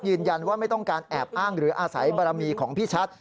ไม่ต้องการแอบอ้างหรืออาศัยบารมีของพี่ชัด